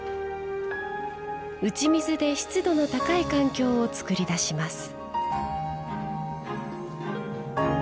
打ち水で湿度の高い環境を作り出します。